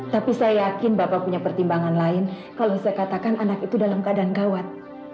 tapi saya yakin bapak punya pertimbangan lain kalau saya katakan anak itu dalam keadaan gawat